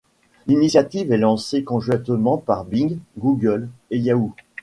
L'initiative est lancée conjointement par Bing, Google et Yahoo!